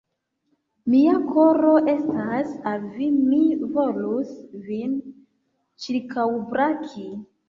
Mia koro estas al vi, mi volus vin ĉirkaŭbraki!